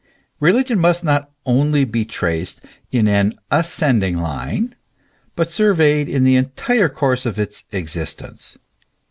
Religion must not only he traced in an ascending line, hut surveyed in the entire course of its existence.